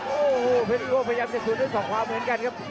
โอ้โหแฟนวิโว่พยายามเก็บสุดด้วยสองขวาเหมือนกันครับ